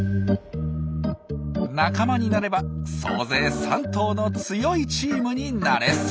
仲間になれば総勢３頭の強いチームになれそうです。